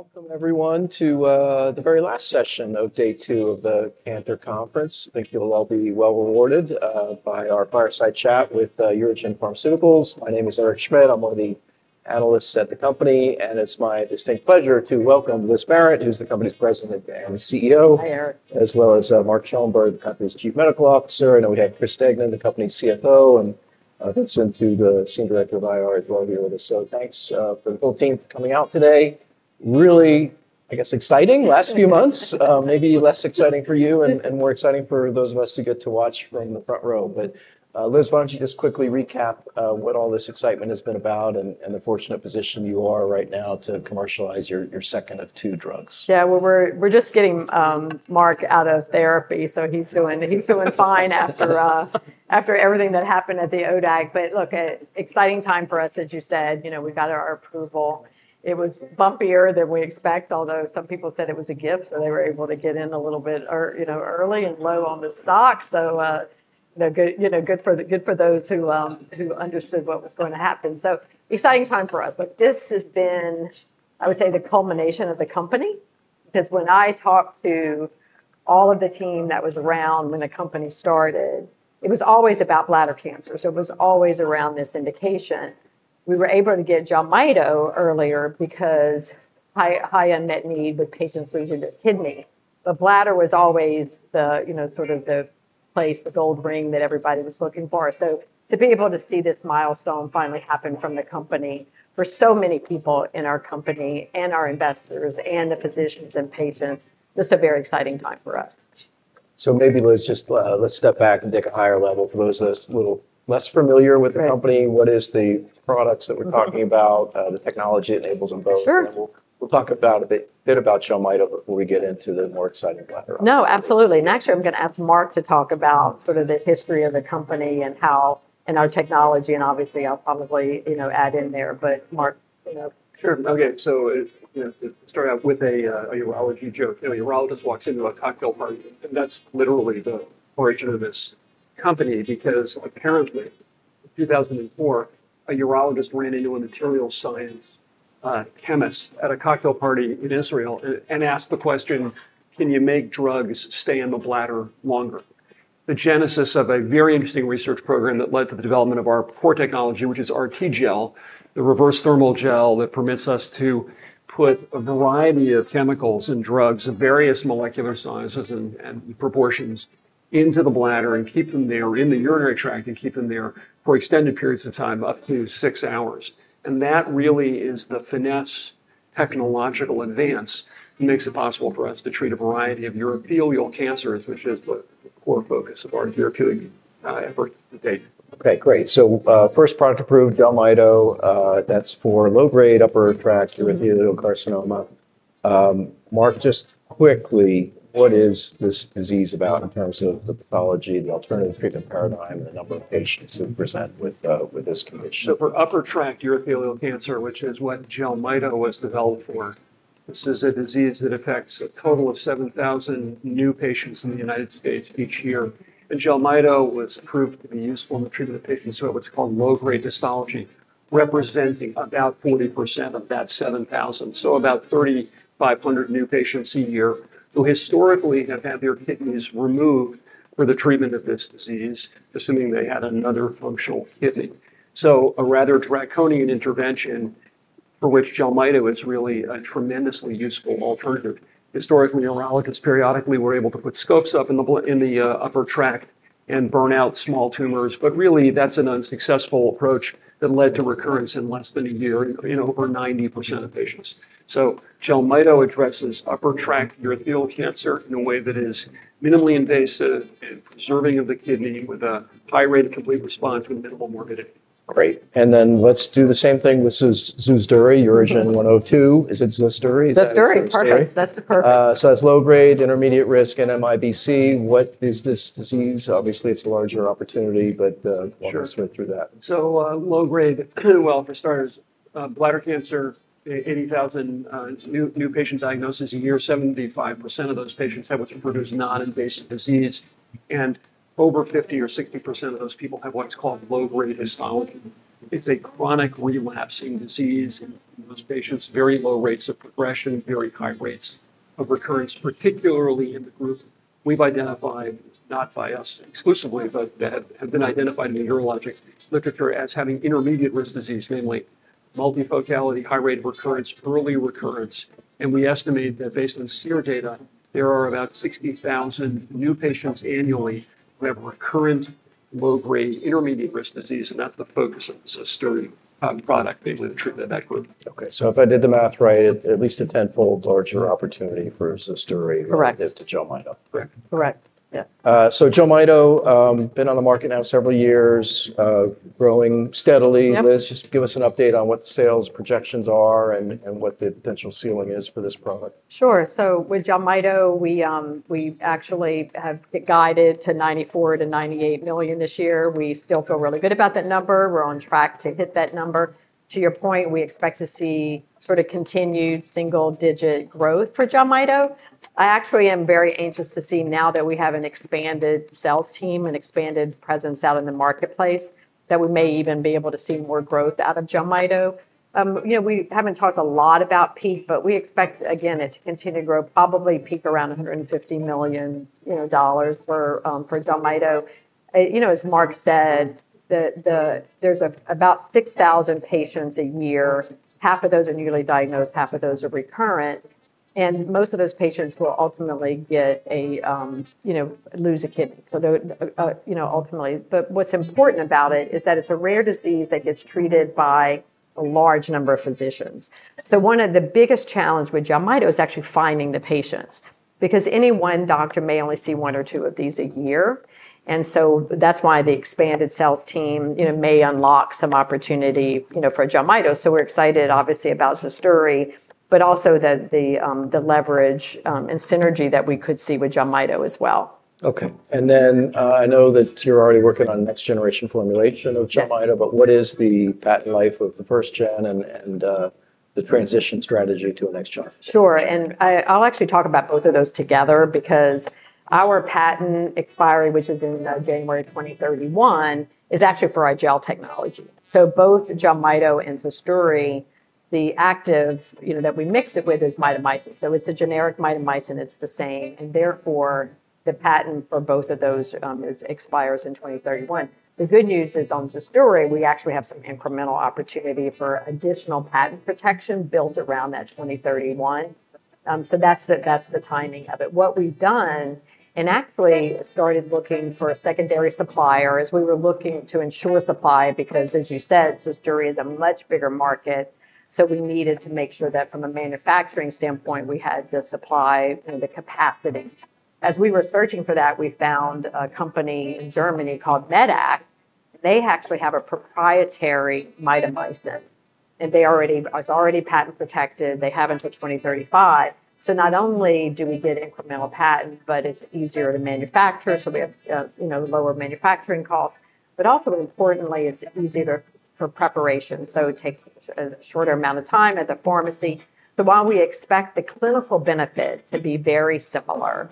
Welcome everyone to the very last session of day two of the Cantor Conference. I think you'll all be well rewarded by our fireside chat with UroGen Pharmaceuticals. My name is Eric Schmidt. I'm one of the analysts at the company, and it's my distinct pleasure to welcome Liz Barrett, who's the company's President and CEO. Hi, Eric. As well as Mark Schoenberg, the company's Chief Medical Officer. We have Christopher Degnan, the company's CFO, and Vincent Perrone, who's the Senior Director of IR as well, here with us. Thanks for the whole team coming out today. Really, I guess, exciting last few months. Maybe less exciting for you and more exciting for those of us who get to watch from the front row. Liz, why don't you just quickly recap what all this excitement has been about and the fortunate position you are right now to commercialize your second of two drugs? Yeah, we're just getting Mark out of therapy, so he's doing fine after everything that happened at the ODAC. Look, an exciting time for us, as you said. You know, we got our approval. It was bumpier than we expected, although some people said it was a gift, so they were able to get in a little bit early and low on the stock. Good for those who understood what was going to happen. Exciting time for us. This has been, I would say, the culmination of the company. When I talked to all of the team that was around when the company started, it was always about bladder cancer. It was always around this indication. We were able to get Jelmyto earlier because of high unmet need with patients losing their kidney. Bladder was always the, you know, sort of the place, the gold ring that everybody was looking for. To be able to see this milestone finally happen from the company for so many people in our company and our investors and the physicians and patients, this is a very exciting time for us. Liz, just let's step back and take a higher level for those of us who are less familiar with the company. What are the products that we're talking about? The technology enables them both. Sure. We'll talk a bit about Jelmyto before we get into the more exciting bladder update. No, absolutely. Next, I'm going to ask Mark to talk about the history of the company and our technology. Obviously, I'll probably add in there. Mark, you know. Sure. Okay, so you know, start out with a urology joke. A urologist walks into a cocktail party, and that's literally the origin of this company because apparently in 2004, a urologist ran into a material science chemist at a cocktail party in Israel and asked the question, can you make drugs stay in the bladder longer? The genesis of a very interesting research program that led to the development of our core technology, which is RTGel, the reverse-thermal hydrogel that permits us to put a variety of chemicals and drugs of various molecular sizes and proportions into the bladder and keep them there in the urinary tract for extended periods of time, up to six hours. That really is the finesse technological advance that makes it possible for us to treat a variety of urothelial cancers, which is the core focus of our year two effort to date. Okay, great. First product approved, Jelmyto. That's for Low-Grade Upper Tract Urothelial Carcinoma. Mark, just quickly, what is this disease about in terms of the pathology, the alternative treatment paradigm, and the number of patients who present with this condition? For upper tract urothelial cancer, which is what Jelmyto was developed for, this is a disease that affects a total of 7,000 new patients in the U.S. each year. Jelmyto was proved to be useful in the treatment of patients who have what's called low-grade histology, representing about 40% of that 7,000. About 3,500 new patients a year historically have had their kidneys removed for the treatment of this disease, assuming they had another functional kidney. A rather draconian intervention for which Jelmyto is really a tremendously useful alternative. Historically, urologists periodically were able to put scopes up in the upper tract and burn out small tumors, but that's an unsuccessful approach that led to recurrence in less than a year in over 90% of patients. Jelmyto addresses upper tract urothelial cancer in a way that is minimally invasive and preserving of the kidney with a high rate of complete response with minimal morbidity. Great. Let's do the same thing with Zosduri, UGN-102. Is it Zosduri? Zosduri, perfect. That's perfect. That's low-grade, intermediate-risk NMIBC. What is this disease? Obviously, it's a larger opportunity, but walk us right through that. Sure. Low-grade, for starters, bladder cancer, 80,000 new patients diagnosed a year, 75% of those patients have what's referred to as non-invasive disease. Over 50 or 60% of those people have what's called low-grade histology. It's a chronic relapsing disease in those patients, very low rates of progression, very high rates of recurrence, particularly in the group we've identified, not by us exclusively, but have been identified in the urologic literature as having intermediate risk disease, namely multifocality, high rate of recurrence, early recurrence. We estimate that based on CIR data, there are about 60,000 new patients annually who have recurrent low-grade, intermediate risk disease, and that's the focus of the Zosduri product in the treatment of that group. Okay, so if I did the math right, at least a tenfold larger opportunity for Zosduri relative to Jelmyto. Correct. Correct. Yeah. Jelmyto, been on the market now several years, growing steadily. Liz, just give us an update on what the sales projections are and what the potential ceiling is for this product. Sure. So with Jelmyto, we actually have it guided to $94 million to $98 million this year. We still feel really good about that number. We're on track to hit that number. To your point, we expect to see sort of continued single-digit growth for Jelmyto. I actually am very anxious to see now that we have an expanded sales team, an expanded presence out in the marketplace, that we may even be able to see more growth out of Jelmyto. You know, we haven't talked a lot about peak, but we expect, again, it to continue to grow, probably peak around $150 million for Jelmyto. You know, as Mark said, there's about 6,000 patients a year. Half of those are newly diagnosed, half of those are recurrent. Most of those patients will ultimately get a, you know, lose a kidney. Ultimately, what's important about it is that it's a rare disease that gets treated by a large number of physicians. One of the biggest challenges with Jelmyto is actually finding the patients because any one doctor may only see one or two of these a year. That's why the expanded sales team may unlock some opportunity for Jelmyto. We're excited, obviously, about Zosduri, but also the leverage and synergy that we could see with Jelmyto as well. Okay. I know that you're already working on the next generation formulation of Jelmyto, but what is the patent life of the first gen and the transition strategy to the next gen? Sure. I'll actually talk about both of those together because our patent expiry, which is in January 2031, is actually for our gel technology. Both Jelmyto and Zosduri, the active, you know, that we mix it with is mitomycin. It's a generic mitomycin. It's the same, and therefore, the patent for both of those expires in 2031. The good news is on Zosduri, we actually have some incremental opportunity for additional patent protection built around that 2031. That's the timing of it. What we've done and actually started looking for a secondary supplier as we were looking to ensure supply because, as you said, Zosduri is a much bigger market. We needed to make sure that from a manufacturing standpoint, we had the supply and the capacity. As we were searching for that, we found a company in Germany called Medac. They actually have a proprietary mitomycin, and they are already patent protected. They have until 2035. Not only do we get incremental patent, but it's easier to manufacture. We have, you know, lower manufacturing costs. Also importantly, it's easier for preparation, so it takes a shorter amount of time at the pharmacy. While we expect the clinical benefit to be very similar,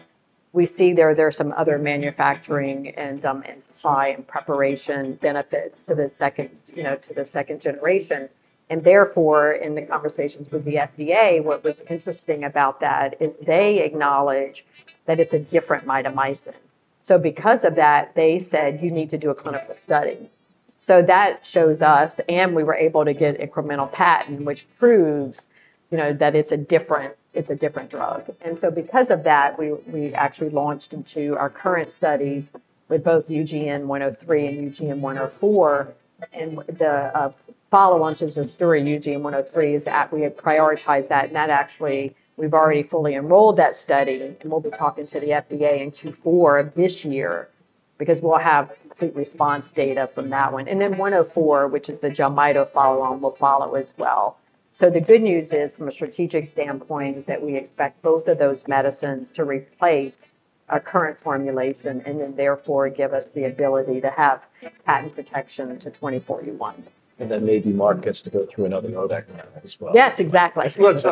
we see there are some other manufacturing and supply and preparation benefits to the second, you know, to the second generation. In the conversations with the FDA, what was interesting about that is they acknowledge that it's a different mitomycin. Because of that, they said, you need to do a clinical study. That shows us, and we were able to get incremental patent, which proves, you know, that it's a different, it's a different drug. Because of that, we actually launched into our current studies with both UGN-103 and UGN-104. The follow-on to Zosduri, UGN-103, is that we have prioritized that. We've already fully enrolled that study, and we'll be talking to the FDA in Q4 of this year because we'll have complete response data from that one. UGN-104, which is the Jelmyto follow-on, will follow as well. The good news is from a strategic standpoint is that we expect both of those medicines to replace our current formulation and then therefore give us the ability to have patent protection to 2041. Maybe Mark gets to go through another ODAC medical. Yes, exactly. Let's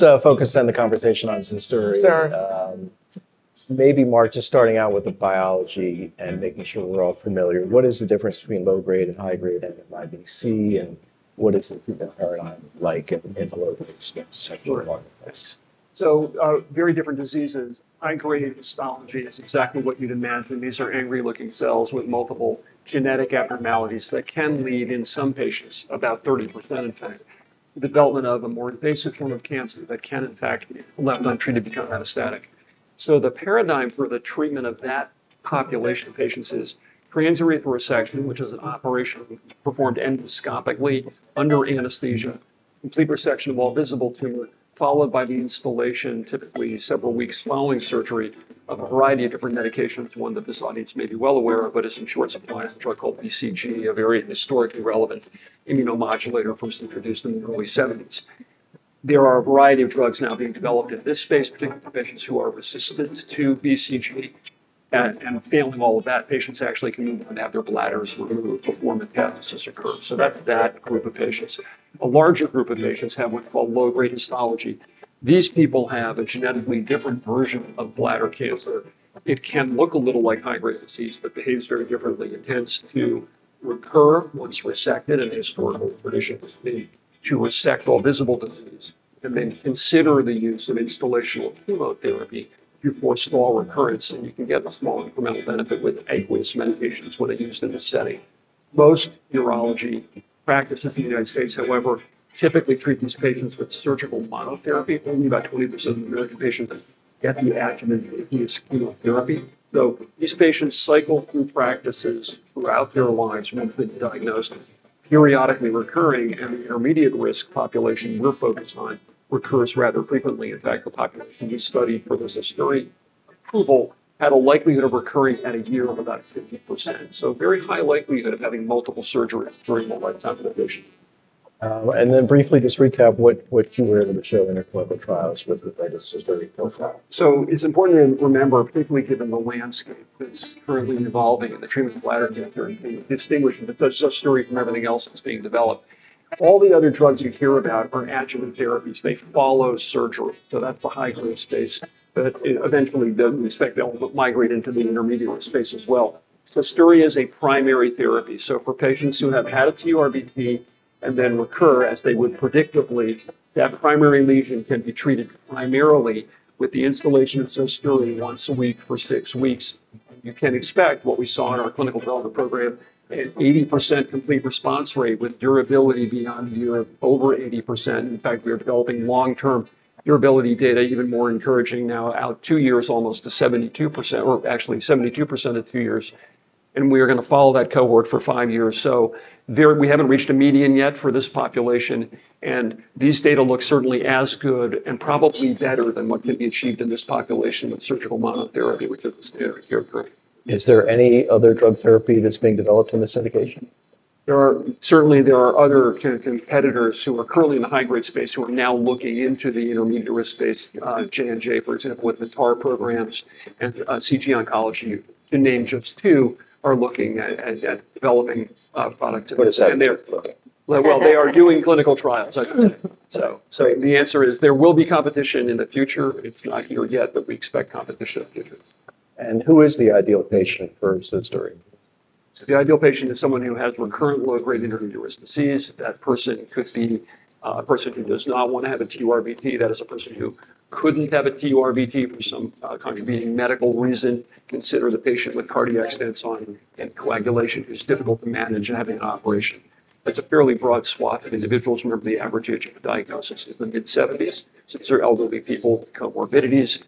focus on the conversation on Zosduri. Maybe Mark, just starting out with the biology and making sure we're all familiar. What is the difference between low-grade and high-grade NMIBC? What does the treatment paradigm look like in the mid-global skin sector? Sure. Very different diseases. Oncogenic histology is exactly what you'd imagine. These are angry-looking cells with multiple genetic abnormalities that can lead, in some patients, about 30%, in fact, to the development of a more invasive form of cancer that can, if left untreated, become metastatic. The paradigm for the treatment of that population of patients is transurethral resection, which is an operation performed endoscopically under anesthesia, complete resection of all visible tumors, followed by the instillation, typically several weeks following surgery, of a variety of different medications. One that this audience may be well aware of, but is in short supply, is a drug called BCG, a very historically relevant immunomodulator first introduced in the early 1970s. There are a variety of drugs now being developed in this space, particularly for patients who are resistant to BCG. Failing all of that, patients actually can even have their bladders removed before metastasis occurs. That's that group of patients. A larger group of patients have what's called low-grade histology. These people have a genetically different version of bladder cancer. It can look a little like high-grade disease, but behaves very differently. It tends to recur once resected, and historically, patients seem to resect all visible disease and then consider the use of instillation or chemotherapy before small recurrence. You can get a small incremental benefit with aqueous medications when they're used in this setting. Most urology practices in the U.S., however, typically treat these patients with surgical monotherapy. Only about 20% of the American patients get the adjuvant chemotherapy. These patients cycle through practices throughout their lives, once they've been diagnosed, periodically recurring, and the intermediate-risk population we're focused on recurs rather frequently. In fact, the population we studied for the Zosduri approval had a likelihood of recurring at a year of about 50%. A very high likelihood of having multiple surgeries during the lifetime of the patient. Briefly, just recap what you were able to show in your clinical trials with regard to Zosduri. It is important to remember, particularly given the landscape that's currently evolving in the treatment of bladder cancer and distinguishing Zosduri from everything else that's being developed, all the other drugs you hear about are adjuvant therapies. They follow surgery. That is the high-grade space. Eventually, we expect they'll migrate into the intermediate-risk space as well. Zosduri is a primary therapy. For patients who have had a TURBT and then recur, as they would predictably, that primary lesion can be treated primarily with the instillation of Zosduri once a week for six weeks. You can expect what we saw in our clinical development program, an 80% complete response rate with durability beyond a year of over 80%. In fact, we are developing long-term durability data, even more encouraging now, out two years almost to 72%, or actually 72% at two years. We are going to follow that cohort for five years. We haven't reached a median yet for this population. These data look certainly as good and probably better than what can be achieved in this population with surgical monotherapy, which is the standard of care. Is there any other drug therapy that's being developed in this indication? Certainly, there are other competitors who are currently in the high-grade space who are now looking into the intermediate-risk space. J&J, for example, with the TAR programs, and CG Oncology, to name just two, are looking at developing products. What does that mean? They are doing clinical trials, I should say. The answer is there will be competition in the future. It's not here yet, but we expect competition in the future. Who is the ideal patient for Zosduri? The ideal patient is someone who has recurrent low-grade, intermediate-risk disease. That person could be a person who does not want to have a TURBT. That is a person who couldn't have a TURBT for some contributing medical reason. Consider the patient with cardiac stents on anticoagulation who's difficult to manage and having an operation. That's a fairly broad swath of individuals. Remember, the average age of diagnosis is in the mid-70s. These are elderly people with comorbidities.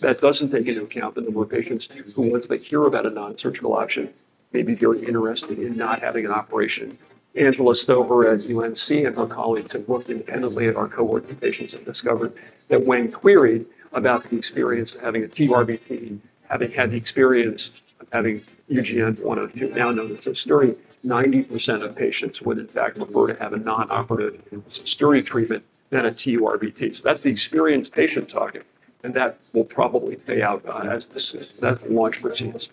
That doesn't take into account the number of patients who, once they hear about a non-surgical option, may be very interested in not having an operation. Angela Sober at UMC and her colleagues have looked intensely at our cohort of patients and discovered that when queried about the experience of having a TURBT, having had the experience of having UGN-102, now known as Zosduri, 90% of patients would, in fact, prefer to have a non-operative Zosduri treatment than a TURBT. That's the experienced patient talking. That will probably pay out as the launch proceeds.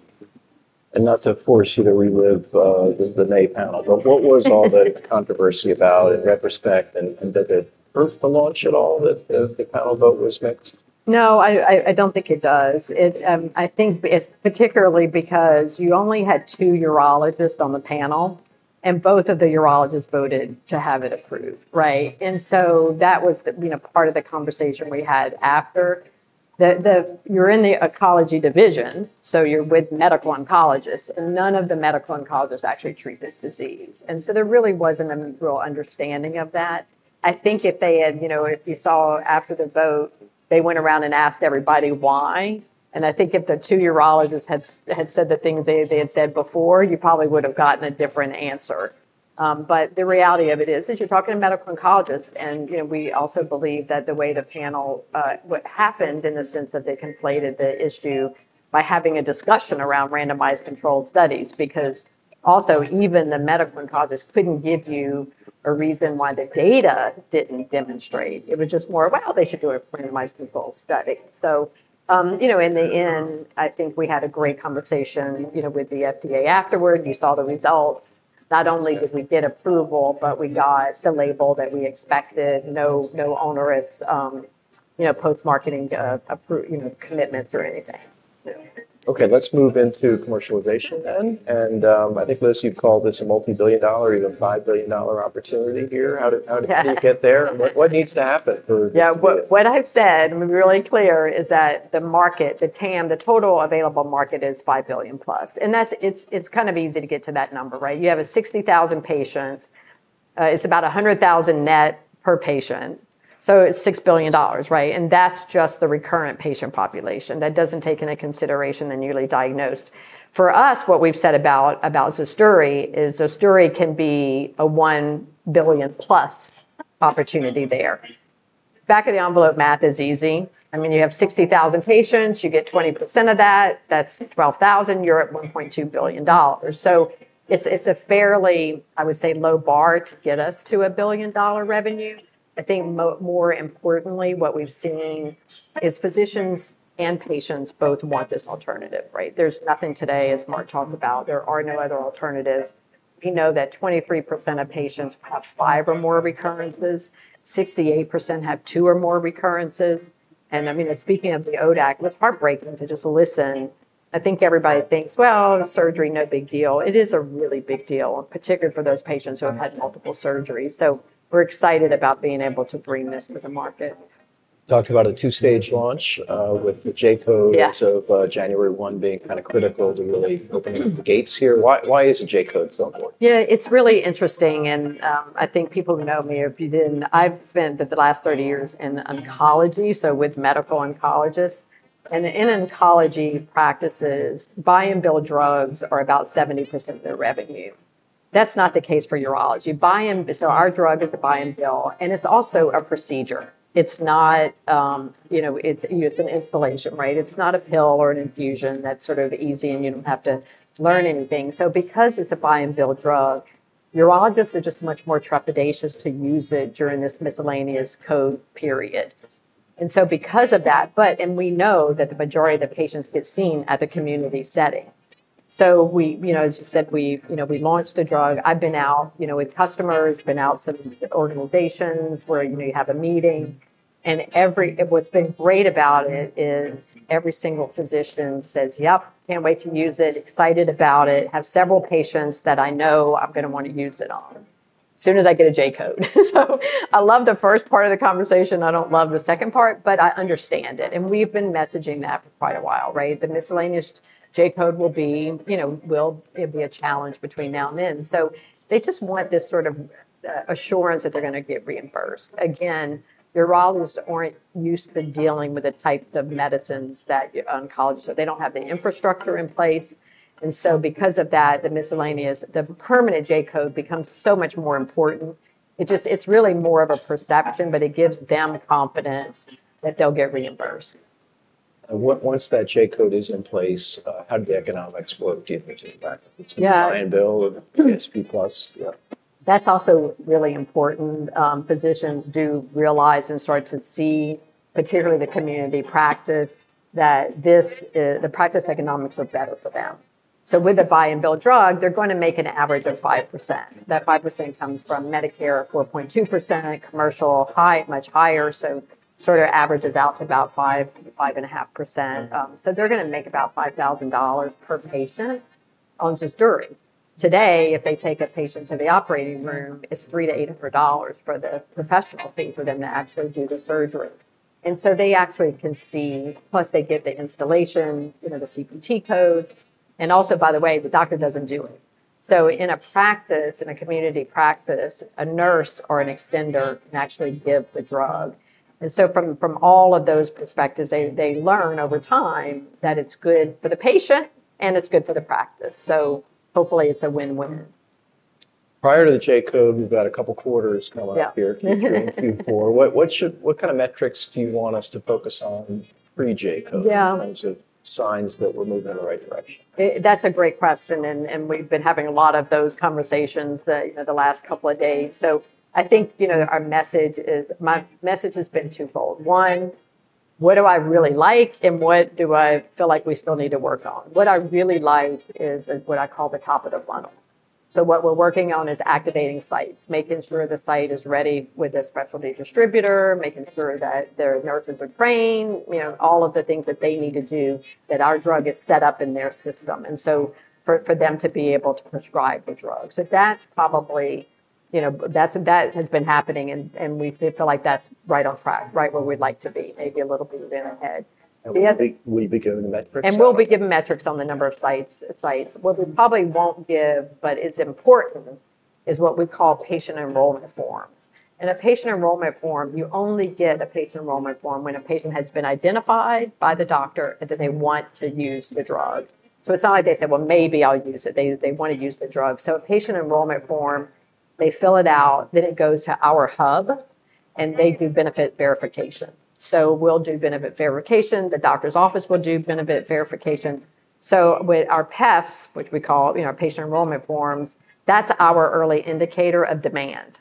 Not to force you to relive the May panel, but what was all the controversy about in retrospect? Did it hurt to launch at all that the panel vote was mixed? No, I don't think it does. I think it's particularly because you only had two urologists on the panel, and both of the urologists voted to have it approved, right? That was the part of the conversation we had after. You're in the oncology division, so you're with medical oncologists, and none of the medical oncologists actually treat this disease. There really wasn't a real understanding of that. I think if they had, you know, if you saw after the vote, they went around and asked everybody why. I think if the two urologists had said the thing that they had said before, you probably would have gotten a different answer. The reality of it is, as you're talking to medical oncologists, we also believe that the way the panel, what happened in the sense that they conflated the issue by having a discussion around randomized controlled studies because also, even the medical oncologists couldn't give you a reason why the data didn't demonstrate. It was just more, well, they should do a randomized controlled study. In the end, I think we had a great conversation with the FDA afterward. You saw the results. Not only did we get approval, but we got the label that we expected. No onerous post-marketing commitments or anything. Okay, let's move into commercialization then. I think, Liz, you called this a multi-billion dollar, even $5 billion opportunity here. How did you get there? What needs to happen for? Yeah, what I've said, and we're really clear, is that the market, the TAM, the total addressable market is $5 billion +. It's kind of easy to get to that number, right? You have 60,000 patients. It's about $100,000 net per patient. It's $6 billion, right? That's just the recurrent patient population. That doesn't take into consideration the newly diagnosed. For us, what we've said about Zosduri is Zosduri can be a $1 billion + opportunity there. Back of the envelope math is easy. You have 60,000 patients. You get 20% of that. That's 12,000. You're at $1.2 billion. It's a fairly, I would say, low bar to get us to $1 billion revenue. I think more importantly, what we've seen is physicians and patients both want this alternative, right? There's nothing today, as Mark talked about. There are no other alternatives. We know that 23% of patients have five or more recurrences. 68% have two or more recurrences. Speaking of the ODAC, it was heartbreaking to just listen. I think everybody thinks, surgery, no big deal. It is a really big deal, particularly for those patients who have had multiple surgeries. We're excited about being able to bring this to the market. Talked about a two-stage launch with the J-code, so January 1 being kind of critical to really opening up the gates here. Why is the J-code so important? Yeah, it's really interesting. I think people who know me, if you didn't, I've spent the last 30 years in oncology, so with medical oncologists. In oncology practices, buy and bill drugs are about 70% of their revenue. That's not the case for urology. Buy and bill, so our drug is a buy and bill, and it's also a procedure. It's not, you know, it's an instillation, right? It's not a pill or an infusion that's sort of easy, and you don't have to learn anything. Because it's a buy and bill drug, urologists are just much more trepidatious to use it during this miscellaneous code period. We know that the majority of the patients get seen at the community setting. As you said, we launched the drug. I've been out with customers, been out some organizations where you have a meeting. What's been great about it is every single physician says, yep, can't wait to use it, excited about it, have several patients that I know I'm going to want to use it on as soon as I get a J-code. I love the first part of the conversation. I don't love the second part, but I understand it. We've been messaging that for quite a while, right? The miscellaneous J-code will be a challenge between now and then. They just want this sort of assurance that they're going to get reimbursed. Again, urologists aren't used to dealing with the types of medicines that oncologists are. They don't have the infrastructure in place. Because of that, the permanent J-code becomes so much more important. It's really more of a perception, but it gives them confidence that they'll get reimbursed. Once that J-code is in place, how do the economics work getting it to the practice? Yeah. Buy and bill, PPSP +. Yeah. That's also really important. Physicians do realize and start to see, particularly in the community practice, that this, the practice economics look better for them. With a buy and bill drug, they're going to make an average of 5%. That 5% comes from Medicare, 4.2% commercial, much higher. It sort of averages out to about 5%-5.5%. They're going to make about $5,000 per patient on Zosduri. Today, if they take a patient to the operating room, it's $300- $800 for the professional fee for them to actually do the surgery. They actually can see, plus they get the instillation, you know, the CPT codes. Also, by the way, the doctor doesn't do it. In a community practice, a nurse or an extender can actually give the drug. From all of those perspectives, they learn over time that it's good for the patient and it's good for the practice. Hopefully, it's a win-win. Prior to the J-code, we've got a couple of quarters coming up here in Q4. What kind of metrics do you want us to focus on pre-J-code? Yeah. What are some signs that we're moving in the right direction? That's a great question. We've been having a lot of those conversations the last couple of days. I think, you know, our message is, my message has been twofold. One, what do I really like and what do I feel like we still need to work on? What I really like is what I call the top of the funnel. What we're working on is activating sites, making sure the site is ready with a specialty distributor, making sure that their nurses are trained, all of the things that they need to do, that our drug is set up in their system for them to be able to prescribe the drug. That's probably, you know, that has been happening. We feel like that's right on track, right where we'd like to be, maybe a little bit ahead. Will you be giving metrics? We will be giving metrics on the number of sites. What we probably won't give, but is important, is what we call patient enrollment forms. In a patient enrollment form, you only get a patient enrollment form when a patient has been identified by the doctor and they want to use the drug. It's not like they say, maybe I'll use it. They want to use the drug. A patient enrollment form is filled out, then it goes to our hub, and they do benefit verification. We will do benefit verification. The doctor's office will do benefit verification. With our PEFs, which we call our patient enrollment forms, that's our early indicator of demand.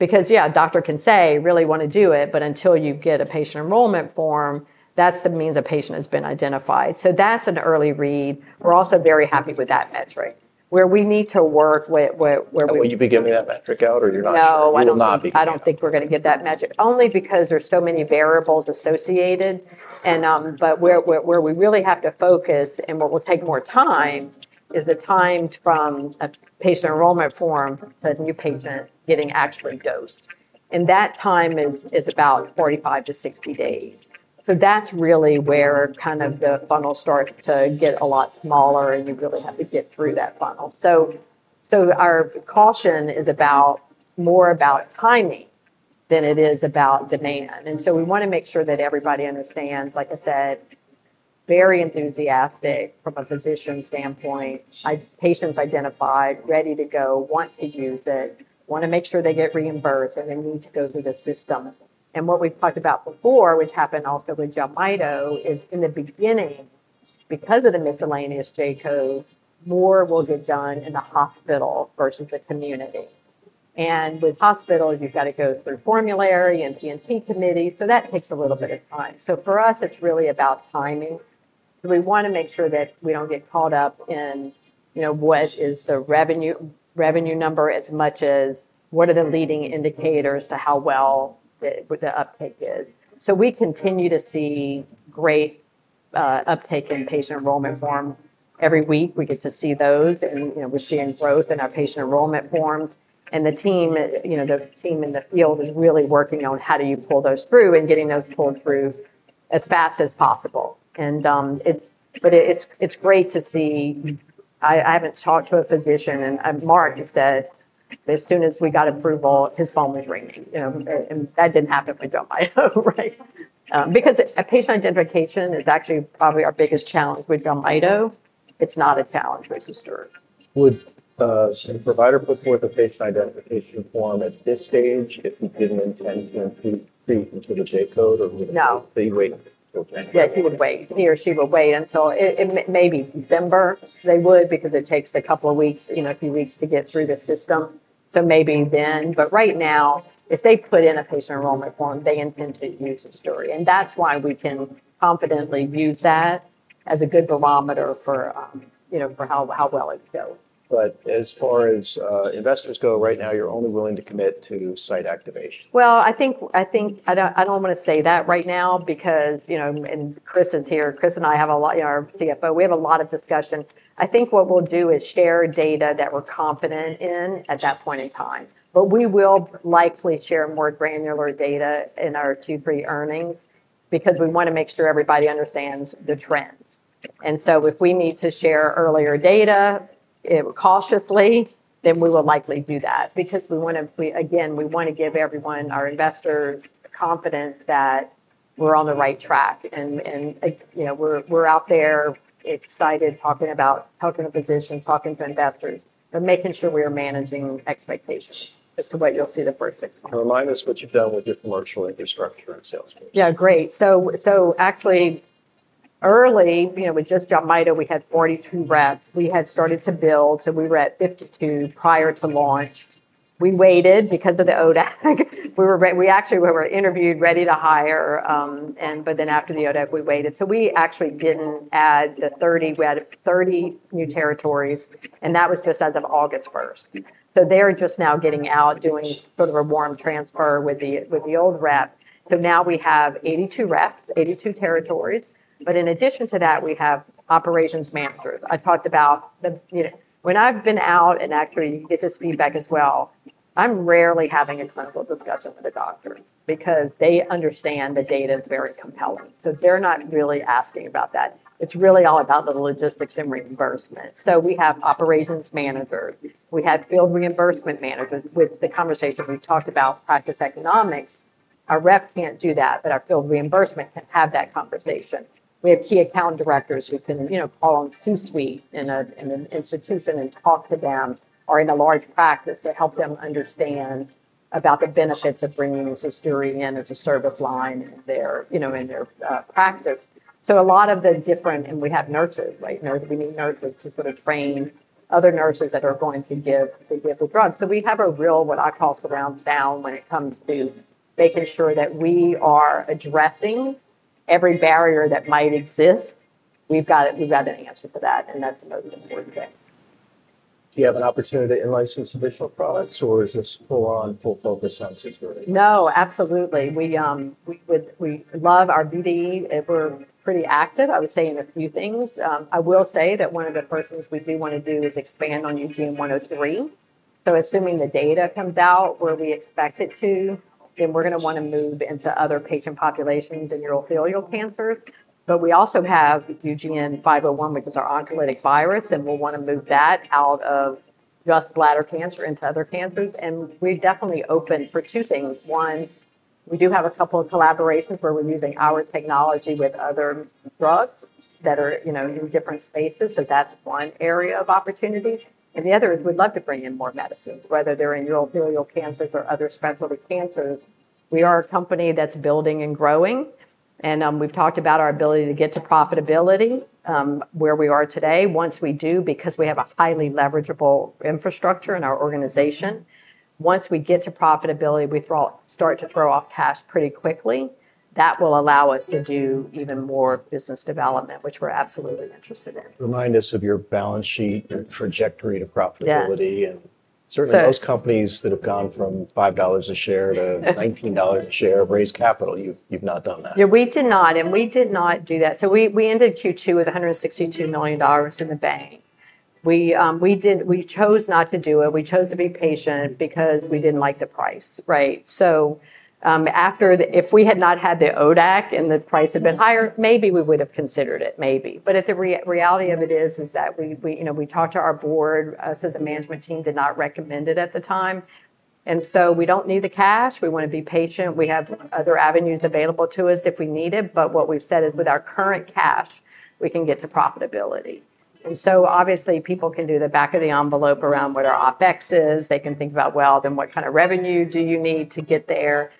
A doctor can say they really want to do it, but until you get a patient enrollment form, that means a patient has been identified. That's an early read. We're also very happy with that metric. Where we need to work with, where we. Will you be giving that metric out or you're not? No, I don't think we're going to get that metric, only because there's so many variables associated. Where we really have to focus and what will take more time is the time from a patient enrollment form to a new patient getting actually dosed, and that time is about 45 days - 60 days. That's really where the funnel starts to get a lot smaller and you really have to get through that funnel. Our caution is more about timing than it is about demand. We want to make sure that everybody understands, like I said, very enthusiastic from a physician standpoint. Patients identified, ready to go, want to use it, want to make sure they get reimbursed, and they need to go through the system. What we've talked about before, which happened also with Jelmyto, is in the beginning, because of the miscellaneous J-code, more will get done in the hospital versus the community. With hospitals, you've got to go through formulary and P&T committee, so that takes a little bit of time. For us, it's really about timing. We want to make sure that we don't get caught up in, you know, what is the revenue number as much as what are the leading indicators to how well the uptake is. We continue to see great uptake in patient enrollment form every week. We get to see those, and we're seeing growth in our patient enrollment forms. The team in the field is really working on how do you pull those through and getting those pulled through as fast as possible. It's great to see. I haven't talked to a physician, and Mark just said, as soon as we got approval, his phone was ringing. That didn't happen with Jelmyto, right? Because patient identification is actually probably our biggest challenge with Jelmyto. It's not a challenge with Zosduri. Would a provider put forth a patient identification form at this stage if he doesn't intend to treat until the J-code, or would they wait until? He or she would wait until maybe December. They would because it takes a couple of weeks, you know, a few weeks to get through the system. Maybe then. Right now, if they put in a patient enrollment form, they intend to use Zosduri. That's why we can confidently use that as a good barometer for how well it goes. As far as investors go, right now, you're only willing to commit to site activation. I don't want to say that right now because, you know, and Chris is here. Chris and I, our CFO, we have a lot of discussion. I think what we'll do is share data that we're confident in at that point in time. We will likely share more granular data in our Q3 earnings because we want to make sure everybody understands the trends. If we need to share earlier data, it would cautiously, then we will likely do that because we want to, again, we want to give everyone, our investors, the confidence that we're on the right track. You know, we're out there excited talking to physicians, talking to investors, and making sure we are managing expectations as to what you'll see the first few months. Remind us what you've done with your commercial infrastructure and sales pitch. Yeah, great. Actually, early, you know, with just Jelmyto, we had 42 reps. We had started to build, so we were at 52 prior to launch. We waited because of the ODAC. We were ready. We actually were interview ready to hire, but then after the ODAC, we waited. We actually didn't add the 30 reps, 30 new territories, and that was just as of August 1. They're just now getting out, doing sort of a warm transfer with the old rep. Now we have 82 reps, 82 territories, but in addition to that, we have operations managers. I talked about the, you know, when I've been out and actually you get this feedback as well, I'm rarely having a clinical discussion with a doctor because they understand the data is very compelling. They're not really asking about that. It's really all about the logistics and reimbursement. We have operations managers. We have field reimbursement managers, which the conversation we've talked about, practice economics, our reps can't do that, but our field reimbursement can have that conversation. We have key account directors who can, you know, call on C-suite in an institution and talk to them or in a large practice to help them understand about the benefits of bringing Zosduri in as a service line in their practice. A lot of the different, and we have nurses, right? We need nurses to sort of train other nurses that are going to give the drug. We have a real, what I call, surround sound when it comes to making sure that we are addressing every barrier that might exist. We've got an answer for that, and that's another important thing. Do you have an opportunity to license additional products, or is this full-on full focus on Zosduri? No, absolutely. We love our BD. We're pretty active, I would say, in a few things. I will say that one of the first things we do want to do is expand on UGN-103. Assuming the data comes out where we expect it to, we're going to want to move into other patient populations in urothelial cancers. We also have UGN-501, which is our oncolytic virus, and we'll want to move that out of just bladder cancer into other cancers. We're definitely open for two things. One, we do have a couple of collaborations where we're using our technology with other drugs that are in different spaces. That's one area of opportunity. The other is we'd love to bring in more medicines, whether they're in urothelial cancers or other specialty cancers. We are a company that's building and growing. We've talked about our ability to get to profitability, where we are today. Once we do, because we have a highly leverageable infrastructure in our organization, once we get to profitability, we start to throw off cash pretty quickly. That will allow us to do even more business development, which we're absolutely interested in. Remind us of your balance sheet, your trajectory to profitability. Most companies that have gone from $5 a share to $19 a share raise capital, you've not done that. Yeah, we did not. We did not do that. We ended Q2 with $162 million in the bank. We chose not to do it. We chose to be patient because we didn't like the price, right? After the, if we had not had the ODAC and the price had been higher, maybe we would have considered it, maybe. The reality of it is that we talked to our board, us as a management team did not recommend it at the time. We don't need the cash. We want to be patient. We have other avenues available to us if we need it. What we've said is with our current cash, we can get to profitability. Obviously, people can do the back of the envelope around what our OpEx is. They can think about what kind of revenue you need to get there.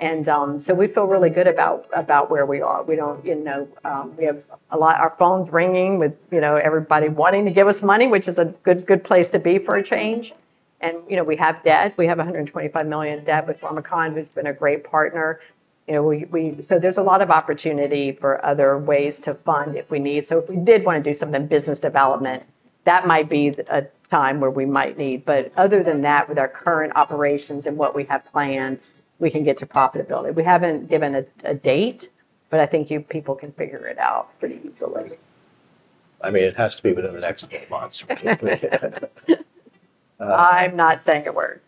We feel really good about where we are. We have a lot, our phone's ringing with everybody wanting to give us money, which is a good place to be for a change. We have debt. We have $125 million in debt with Pharmakon, who's been a great partner. There's a lot of opportunity for other ways to fund if we need. If we did want to do something in business development, that might be a time where we might need. Other than that, with our current operations and what we have planned, we can get to profitability. We haven't given a date, but I think you people can figure it out pretty easily. I mean, it has to be within the next eight months. I'm not saying a word.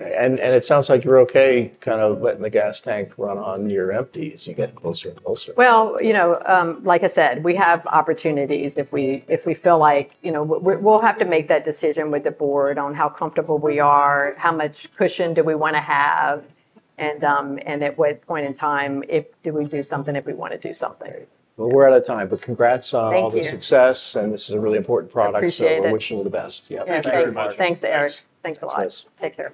Okay. It sounds like you're okay kind of letting the gas tank run on your empty as you get closer and closer. As I said, we have opportunities if we feel like we will have to make that decision with the board on how comfortable we are, how much cushion do we want to have, and at what point in time do we do something if we want to do something. We're out of time, but congrats on all the success. This is a really important product. Appreciate it. I wish you all the best. Yeah. Thanks, Eric. Thanks a lot. Take care.